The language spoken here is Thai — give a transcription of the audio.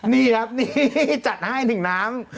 นี่ครับจัดให้ถึงน้ำ